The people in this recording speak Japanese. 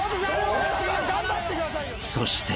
［そして］